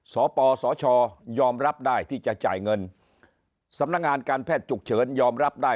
สปสชยอมรับได้ที่จะจ่ายเงินสำนักงานการแพทย์ฉุกเฉินยอมรับได้